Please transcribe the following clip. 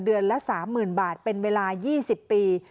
เดือนละ๓๐๐๐๐บาทเป็นเวลา๒๐ปี